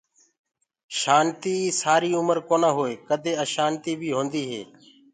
شآنتي سآري اُمر ڪونآ هوئي ڪدي اشآنتي بي هوندي هي